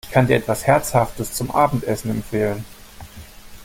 Ich kann dir etwas Herzhaftes zum Abendessen empfehlen!